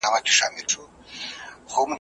هوښیاران چي پر دې لار کړي سفرونه .